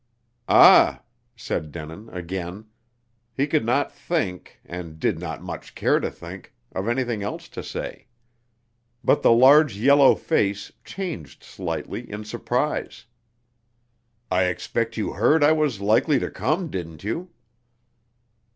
"Ah!" said Denin again. He could not think and did not much care to think of anything else to say. But the large yellow face changed slightly, in surprise. "I expect you heard I was likely to come, didn't you?"